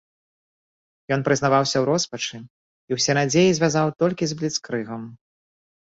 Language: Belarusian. Ён прызнаваўся ў роспачы, і ўсе надзеі звязваў толькі з бліцкрыгам.